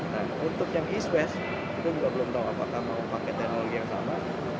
nah untuk yang east west kita juga belum tahu apakah mau pakai teknologi yang sama